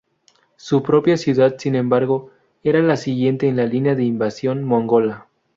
Su propia ciudad, sin embargo, era la siguiente en la línea de invasión mongola.